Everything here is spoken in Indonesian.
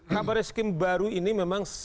kabaris krim baru ini memang